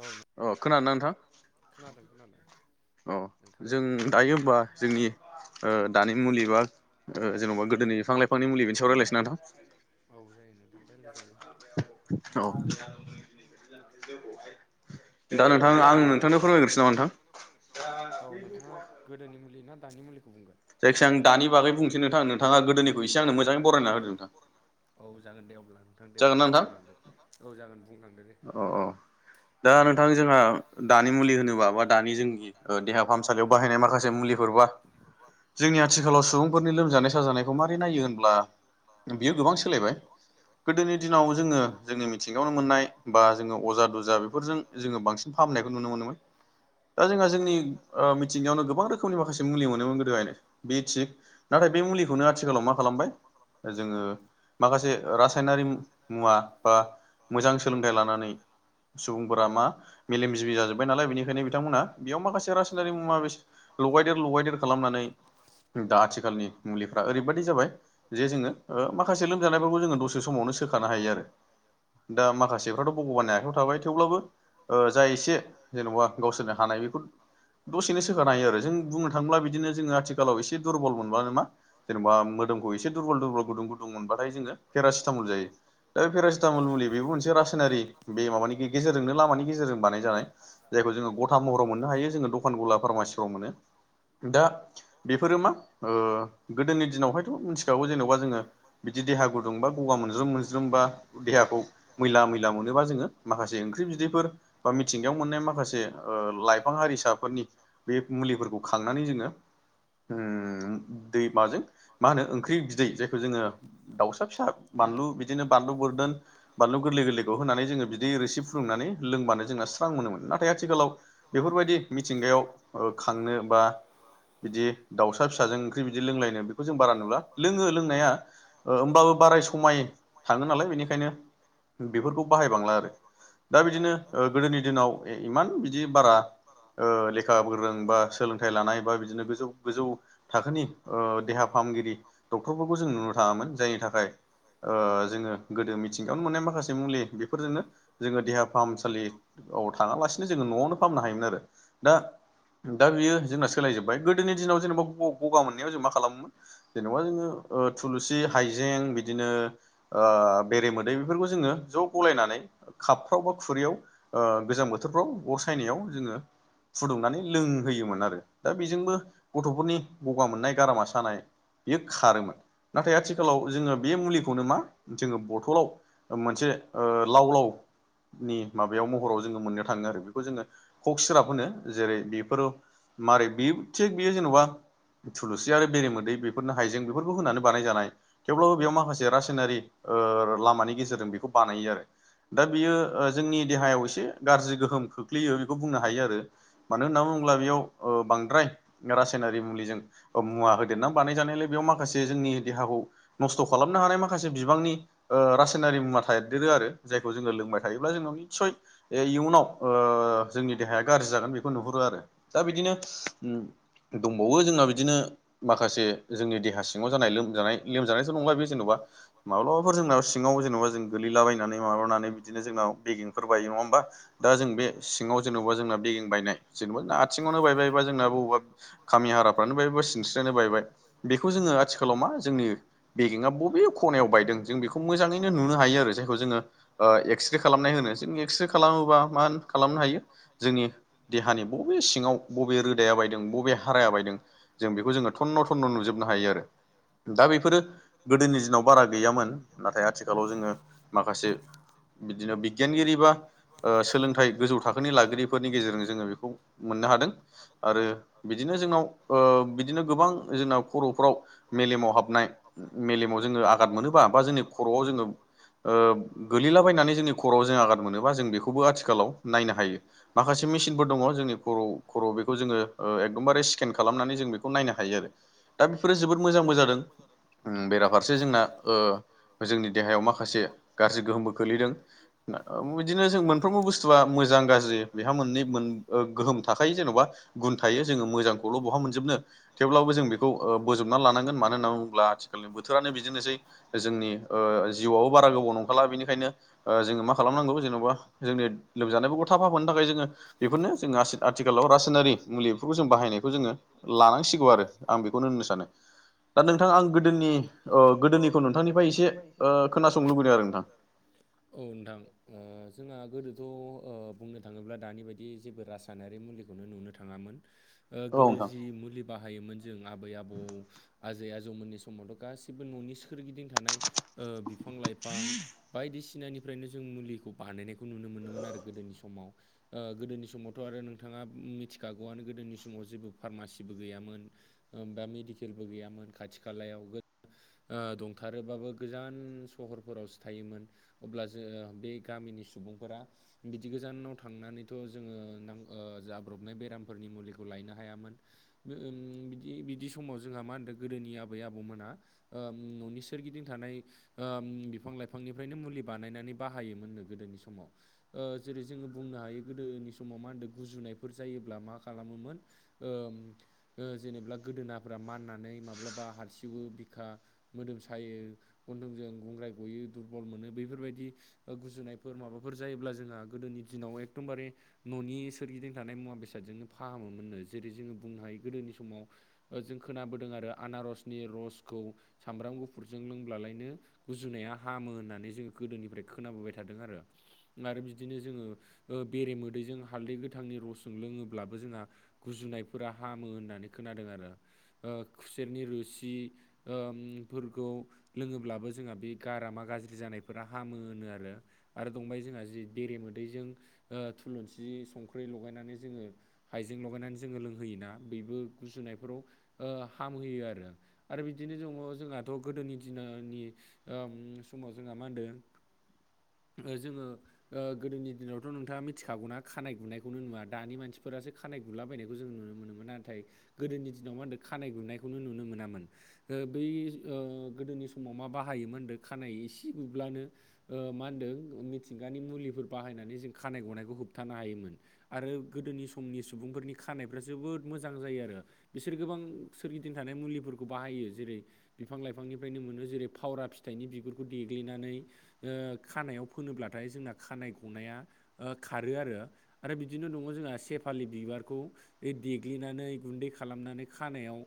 औ अ खोनादों ना नोंथां खोनादों खोनादों अ जों नोंथांजों दायो होनबा जोंनि दानि मुलि बा जेन'बा गोदोनि बिफां लाइफांनि मुलिजों सावरायलायसै ना नोंथां औ जायो नोंथां दे रायलाय जायो औ दा नोंथां आं नोंथांनो फोरमायग्रोसै नामा नोंथां नोंथां औ नोंथाङा गोदोनि मुलि ना दानि मुलिखौ बुंगोन जायखि आं दानि बागै बुंसै नोंथां नोंथाङा गोदनिखौसे आं मोजाङायै एसे बरायना होदो नोंथां औ जागोन दे अब्ला नोंथां दे जागोन ना नोंथां बुंलांगोन औ जागोन बुंलांदो दे अ अ दा नोंथां दा जोंहा नोंथां जोंहा दानि मुलि होनोबा दानि बा मुलि होनोबा बा जोंनि दानि ओ देहा जों फाहामसालियाव देहा बाहायनाय माखासे फाहामसालियाव बाहायनाय मुलिफोर बा माखासे [unintelligible] जोंनि आथिखालाव सुबुंफोरनि लोमजानाय साजानायखौ मारै नायो होनब्ला बियो गोबां सोलायबाय गोदोनि दिनाव जोङो जोंनि मिथिंगायावनो मोननाय बा जोङो अजा दुजा बेफोरजों जोङो बांसिन फाहामनायखौ नुनो मोनोमोन दा जोंहा जोंनि मिथिंगायावनो गोबां रोखोमनि माखासे मुलि मोनोमोन गोदोहायनो बे थिग नाथाय बे मुलिखौनो आथिखालाव मा खालामबाय जोङो माखासे रासायनारि मुवा बा मोजां सोलोंथाइ लानानै सुबुंफोरा मा मेलेमजिबि जाजोबबाय नालाय बेनिखायनो बिथांमोना बेयाव माखासे रासायनारि मुवा बे लगायदेर लगायदेर खालामनानै दा आथिखालनि मुलिफ्रा ओरैबायाददि जाबाय जे जोङो माखासे लोमजानायफोरखौ जोङो दसे समावनो सोखानो हायो आरो दा माखासे गासैफ्राथ' भगबाननि आखाइयाव थाबाय थेवब्लाबो ओ जााय एसे जेन'बा गावसोरनो हानाय बेखौ दसेनो सोखानो हायो आरो जों बुंनो थाङोब्ला बिदिनो जो आथिखालाव एसे दुरबल मोनबानो नामा जेनेबा मोदोमखौ एसे दुरबल दुरबल गुदुं गुदुं मोनबाथाय जोङो पेरासिटामल जायो दा बे पेरासिटामल मुलि बेबो मोनसे रासायनारि बे माबानि गेजेरजोंनो लामानि गेजेरजों बानायजानाय जायखौ जोङो गथा महराव मोननो हायो जोङो दखान गला फार्मासिफ्राव मोनो दा बेफोरो मा ओ गोदोनि दिनावहायथ' मिथिखागौ जेनेबा जोङो बिदि देहा गुदुंबा गगा मोनज्रोम मोनज्रोमबा देहाखौ मैला मैला मोनोबा जोङो माखासे ओंख्रि बिदैफोर बा मिथिंगायाव मोननाय माखासे ओ लाइफां हारिसाफोरनि बे मुलिफोरखौ खांनानै जोङो उम दै माजों मा होनो ओंख्रि बिदै जायखौ जोङो दाउसा फिसा बानलु बिदिनो बानलु बुरदोन बानलु गोरलै गोरलैखौ होनानै जोङो बिदै रोसि फुुदुंनानै लोंबानो जोंना स्रां मोनोमोन नाथाय आथिखालाव बेफोरबायदि मिथिंगायाव खांनो बा बिदि दाउसा फिसाजों ओंख्रि बिदि लोंलायनो खौ जों बारा नुला लोङो लोंनाया होमबाबो बाराय समाय थाङो नालाय बेनिखायनो बेफोरखौ बाहायबांला आरो दा बिदिनो ओ गोदोनि दिनाव इमान बिदि बारा ओ लेखा गोरों बा सोलों थाइ लानाय बा बिदिनो गोजौ गोजौ थाखोनि ओ देहा फाहामगिरि डक्टरफोरखौ जों नुनो थाङामोन जायनि थाखाय ओ जोङो गोदो मिथिंगायावनो मोननाय माखासे मुलि बेफोरजोंनो जोङो देहा फाहामसालि औ थाङालासिनो जोङो न'आवनो फाहामनो हायोमोन आरो दा दा बियो जोंना सोलायजोब्बाय गोदोनि दिनाव जेनेबा ग गगा मोननायाव जों मा खालामोमोन जेनेबा जोङो थुलुसि हाइजें बिदिनो ओ बेरे मोदै बेफोरखौ जोङो ज' गलायनानै कापफ्राव बा खुरैयाव ओ गोजां बोथोरफ्राव अर सायनायाव जोङो फुदुंनानै लोंहोयोमोन आरो दा बेजोंबो गथ'फोरनि गगा मोननाय गारामा सानाय। बेयो खारोमोन नाथाय आथिखालाव जोङो बे मुलिखौनो मा जोङो ब थ'लाव मोनसे ओ लाव लाव नि माबायाव महराव जोङो मोननो थाङो आरो बेखौ जोङो कक सिराप होनो जेरै बेफोरो मारै बे थिग बेयो जेन'बा थुलुसि आरो बेरेमोदै बेफोरनो हाइजें बेफोरफोरखौबो होनानै बानाय जानाय। थेवब्लाबो बेयाव माखासे रासायनारि ओ लामानि गेजेरजों बेखौ बानायो आरो। दा बियो जोंनि देहायाव एसे गाज्रि गोहोम खोख्लैयो बेखौ बुंनो हायो आरो। मानो होनना बुङोब्ला बेयाव बांद्राय।। रासायनारि मुलिजों मुवा होदेरना बानायजानायलाय बेयाव माखासे जोंनि देहाखौ नस्थ' खालामनो हानाय माखासे बिबांनि ओ रासायनारि मुवा थादेरो आरो जायखौ जोङो लोंबाय थायोब्ला जोंनाव निसय। बे इयुनाव ओ जोंनि देहाया गाज्रि जागोन बेखौ नुहुरो आरो दा बिदिनो उम दंबावो जोंहा बिदिनो माखासे जोंनि देहा सिङाव जानाय लोमजानाय लोमजानायथ' नंला‌ बि जेन'बा माब्लाबाफोर जोंना सिङाव जेनेबा जों गोलैलाबायनानै माबानानै बिदिनो जोंनाव बेगेंफोर बायो नङा होमबा दा जों बे सिङाव जेनेबा जोंना बेगें बायनाय जेनेबा आथिङावनो बायबायबा जोंना बबेबा। खामि हाराफ्रानो बायबाय बा सिनस्रियानो बायबाय बेखौ जोङो आथिखालाव मा जोंनि बेगेेंआ बबे नों बबे खनायाव बाय खुब मोजाङैनो नुनो हायो आरो जायखौ जोङो ओ एक्सरे खालामनाय होनो जों एक्स्रे खालामोबा मा खालामनो हायो जोंनि देहानि बबे सिङाव बबे रोदाया बायदों बबे हाराया बायदों जों बेखौ जोङो थन्न' थन्न' नुजोबनो हायो आरो दा बेफोरो गोदोनि दिनाव बारा गैयामोन। नाथाय आथिखालाव जोङो माखासे बिदिनो बिगियानगिरि बा। ओ सोलोंथाइ गोजौ थाखोनि लागिरिफोरनि गेजेरजों जोङो बेखौ मोननो हादों आरो। बिदिनो जोंनाव ओ बिदिनो गोबां जोंनाव खर'फोराव मेलेमाव हाबनाय। मेलेमाव जोङो आगाद मोनोबा बा जोंनि खर'आव जोङो ओ गोलैलाबायनानै जोंनि खर'आव जों आगाद मोनोबा जों बेखौबो आथिखालाव। नायनो हायो माखासे मेसिनफोर दङ जोंनि खर' खर' बेखौ जोङो एकदमबारे स्केन खालामनानै जों बे खौ नायनो हायो आरो दा बेफोरो जोबोद मोजांबो जादों उम बेराफारसे जोंना ओ जोंनि देहायाव माखासे गाज्रि गोहोमबो खोलैदों। बिदिनो जों मोनफ्रोमबो बुस्थुआ मोजां गाज्रि बेहा मोननै मोन गोहोम थाखायो जेन'बा गुन थायो जोङो मोजांखौल' बहा मोनजोबनो थेवब्लाबो जों बेखौ बोजबना लानांगोन मानो होनना बुङोब्ला आथिखालनि बोथोरानो बिदिनोसै जोंनि। जिउआवबो बारा गोबाव नंखाला बेनिखायनो जोङो मा खालामनांगौ जेन'बा जोंनि लोमजानायफोरखौ थाफाफोनो थाखाय जोङो बेफोरनो जोंङो आथिखालाव रासायनारि मुलिफोरखौ जों बाहायनायखौ जोङो। लानांसिगौ आरो आं बेखौनो होननो सानो दा नोंथां आं गोदोनि गोदोनिखौ नोंथांनिफ्राय एसे खोनासंनो लुबैदों आरो नोंथां। औ नोंथां जोंहा गोदोथ' बुंनो थाङोब्ला दानि बायदि जेबो राज सायनारि मुलिखौनो नुनो थाङामोन औ गोदो नोंथां जि मुलि बाहायोमोन जों आबै आबौ आजै आजौमोननि स समावथ' गासिबो न'नि सोरगिदिं थानाय बिफां लाइफां। बायदिसिनानिफ्रायनो जों मुलिखौ बानायनायखौ नुनो मोनोमोन आरो गोदोनि समाव गोदोनि समावथ' आरो नोंथाङा मिथिखागौआनो गोदोनि समाव जेबो फारमासिबो गैयामोन। बा मेडिकेलबो गैयामोन खाथि खालायाव ओ दंथारोबाबो गोजान सहरफोरावसो थायोमोन। अब्ला जों बे गामिनि सुबुंफोरा। बिदि गोजानाव थांनानैथ' जोङो नांग जाब्रबनाय बेरामफोरनि मुलिखौ लायनो हायामोन। बिदि बिदि समाव जोंहा मा होनदों गोदोनि आबै आबौमोना। न'नि सोरगिदिं थानाय बिफां लाइफांनिफ्रायनो मुलि बानायनानै बाहायोमोननो गोदोनि समाव जेरै जोङो बुंनो हायो गोदोनि समाव मा होनदों गुजुनायफोर जायोब्ला मा खालामोमोन जेनेबा गोदोनाफोरा माननानै माब्लाबा हारसिवो बिखा मोदोम सायो गन्थंजों गुंग्राय गयो दुरबल मोनो बेफोरबायदि गुजुनायफोर माबाफोर जायोब्ला जोंहा गोदोनि दिनाव एखदमबारे न'नि सोरगिदिं थानाय मुवा बेसादजोंनो फाहामोमोननो जेरै जोङो बुंनो हायो गोदोनि समाव जों खोनाबोदों आरो आनारसनि रसखौ सामब्राम गुफुरजों लोंब्लालायनो गुजुनाया हामो होननानै जोङो गोदोनिफ्राय खोनाबोबाय थादों आरो आरो बिदिनो जोङो बेरेमोदैजों हालदै गोथांनि रसजों लोङोब्लाबो जोंहा गुजुनायफोरा हामो होननानै खोनादों आरो खुसेरनि रोस सि ओम फोरखौ लोङोब्लाबो जोंहा बे गारामा गाज्रि जानायफोरा हामो होनो आरो आरो दंबाय जोंहा जि बेरेमोदैजों थुलुंसि संख्रै लगायनानै जोङो हाइजें लगायनानै जोङो लोंहोयोना बबो गुजुनायफोराव हामहोयो आरो आरो बिदिनो दङ जोंहाथ' गोदोनि दिननि ओम समाव जोंहा मा होनदों जोङो। गोदोनि दिनावथ' नोंथाङा मिथिखागौना खानाय गुनायखौनो नुवा दानि मानसिफोरासो। खानाय गुलाबायनायखौ जों नुनो मोनोमोन नाथाय गोदोनि दिनाव मा होनदों खानाय गुनायखौनो नुनो मोनामोन बै गोदोनि समाव मा बाहायोमोन होनदों खानाइ एसे गुब्लानो मा होनदों मिथिंगानि मुलिफोर बाहायनानै जों खानाय गनायखौ होबथानो हायोमोन आरो गोदोनि समनि सुबुंफोरनि खानायफ्रा जोबोद मोजां जायो आरो बिसोर गोबां सोरगिदिं थानाय मुलिफोरखौ खौ बाहायो जेरै बिफां लाइफांनिफ्रायनो मोनो जेरै फावरा फिथाइनि बिगुरखौ देग्लिनानै खानायाव फोनोब्लाथाय जोंना खानाइ गनाया खारो आरो आरो बिदिनो दङ जोंहा सेफालि बिबारखौ देग्लिनानै गुन्दै खालामनानै खानायाव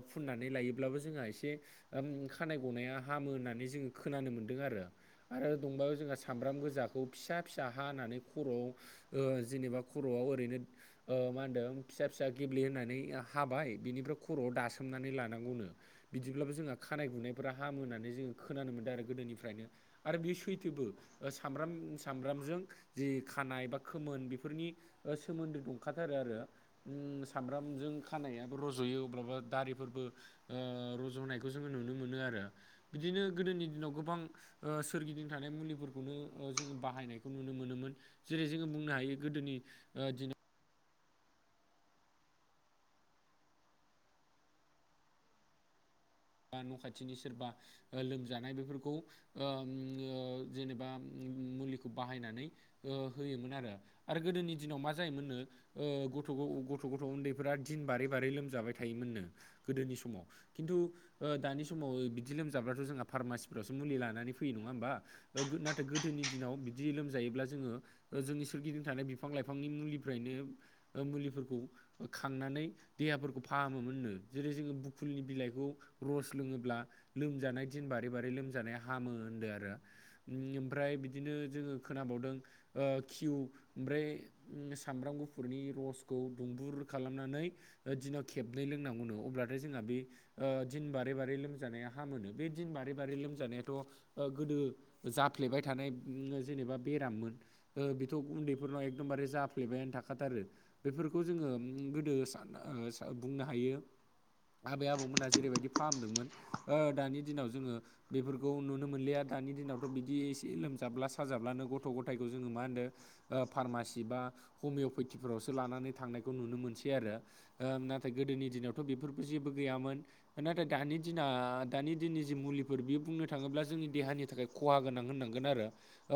ओम फुननानै लायोब्लाबो जोंहा एसे खानाय गनाया हामो होननानै जोङो खोनानो मोन्दों आरो आरो दंबाबो जोंहा सामब्राम गोजाखौ फिसा फिसा हानानै खर'आव ओ जेनेबा खर'आव ओरैनो मा होनदों फिसा फिसा गेब्ले होननानै हाबाय बिनिफ्राय खर'आव दासो मनानै लानांगौनो बिदिब्लाबो जोंहा खानाय गुनायफोरा हामो होननानै जोङो खोनानो मोनदों आरो गोदोनिफ्रायनो। आरो बे सैथोबो सामब्राम सामब्रामजों जि खानाय बा खोमोन बेफोरनि ओ सोमोन्दो दंखाथारो आरो ओम सामब्रामजों खानायाबो रज'यो अब्ला दारि फोरबो ओ रज' होनायखौ जोङो नुनो मोनो आरो बिदिनो गोदोनि दिनाव गोबां ओ सोरगिदिं थानाय मुलिफोरखौनो ओ जोङो बाहायनायखौ नुनो मोनोमोन। जेरै जोङो बुंनो हायो गोदोनि ओ दिनाव बा न' खाथिनि सोरबा ओ लोमजानाय बेफोरखौ ओ उम ओ जेनेबा उम मुलिखौ बाहायनानै ओ होयोमोन आरो आरो गोदोनि दिनाव मा जायोमोन नो ओ गथ' गथ' गथ' उन्दैफोरा दिन बारै बारै लोमजाबाय थायोमोननो गोदोनि समाव खिन्थु ओ दानि समाव बिदि लोमजाब्लाथ' जोंहा फार्मासिफोरावसो मुलि लानानै फैयो नङा होमबा ओ नाथाय गोदोनि दिनाव बिदि लोमजायोब्ला जोङो ओ जोंनि सोरगिदिं थानाय बिफां लाइफांनि मुलिफ्रायनो ओ मुलिफोरखौ ओ खांनानै देहाफोरखौ फाहामोमोननो जेरै जोङो बुखुलनि बिलाइखौ रस लोङोब्ला लोमजानाय दिन बारै बारै लोमजानाया हामो होनदों आरो ओम ओमफ्राय बिदिनो जोङो खोनाबावदों किउ ओमफ्राय उम सामब्राम गुफुरनि रसखौ दुंबुर खालामनानै ओ दिनाव खेबनै लोंनांगौनो अब्लाथाय जोंहा बे ओ दिन बारै बारै लोमजानाया हामो नो बे दिन बारै बारै लोमजानायाथ' ओ गोदो जाफ्लेबाय थानाय जेनेबा बेराममोन ओ बेथ' उन्दैफोरनाव एकदमबारे जाफ्लेबायानो थाखाथारो बेफोरखौ जोङो उम गोदो सा ओ सा बुंनो हायो। आबै आबौमोनहा जेरैबायदि फाहामदोंमोन ओ दानि दिनाव जोङो बेफोरखौ नुनो मोनलिया दानि दिनावथ' बिदि एसे लोमजाब्ला साजाब्लानो गथ' गथायखौ जोङो मा होनदों ओ फार्मासि बा हमिय'पेथिफोरावसो लानानै थांनायखौ नुनो मोनसै आरो। ओ नाथाय गोदोनि दिनावथ' बेफोरबो जेबो गैयामोन नाथाय दानि दिना दानि दिननि जि मुलिफोर बियो बुंनो थाङोब्ला जोंनि देहानि थाखाय खहा गोनां होननांगोन आरो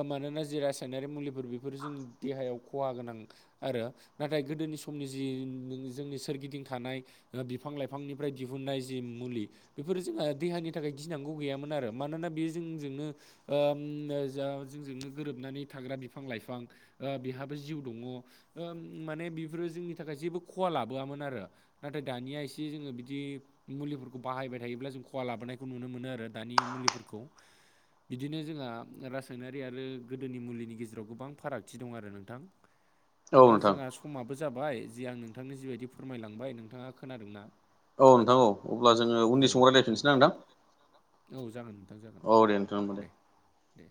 ओ मानोना जि रासाइनारि मुलि फोर बेफोरो जोंनि देहायाव खहा गोनां आरो नाथाय गोदोनि समनि जि जोंनि सोरगिदिं थानाय ओ बिफां लाइफांनिफ्राय दिहुननाय जि मुलि बेफोरो जोंहा देहानि थाखाय गिनांगौ गैयामोन आरो मानोना बेयो जोंजोंनो ओ उम जो जोंजोंनो गोरोबनानै थाग्रा बिफां लाइफां ओ बेहाबो जिउ दङ माने बेफोरो जोंनि थाखाय जेबो खहा लाबोआमोन आरो नाथाय दानिया एसे जोङो बिदि मुलिफोरखौ बाहायबाय थायोब्ला जों खहा लाबोनायखौ नुनो मोनो आरो दानि मुलिफोरखौ बिदिनो जोंहा रासायनारि आरो गोदोनि मुलिनि गेजेराव गोबां फारागथि दं आरो नोंथां। [inaudible] नोंथां जोंहा समाबो जाबाय जि आं नोंथांनो जिबायदि फोरमायलांबाय नोंथाङा खोनादोंना? औ नोंथां औ अब्ला जोङो औ उन्नि समाव रायज्लायफिननोसै ना नोंथां जागोन नोंथां जागोन औ दे नोंथां होनोमबा दे दे